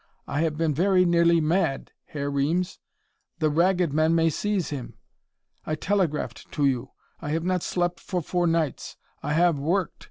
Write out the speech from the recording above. I I have been very nearly mad, Herr Reames. The Ragged Men may seize him!... I telegraphed to you. I have not slept for four nights. I have worked!